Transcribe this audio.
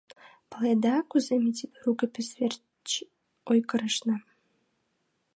Паледа, кузе ме тиде рукопись верч ойгырышна!